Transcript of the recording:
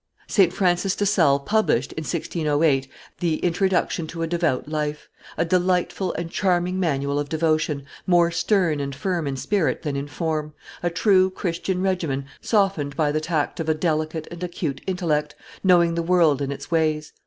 St. Francis de Sales published, in 1608, the Introduction to a Devout Life, a delightful and charming manual of devotion, more stern and firm in spirit than in form, a true Christian regimen softened by the tact of a delicate and acute intellect, knowing the world and its ways.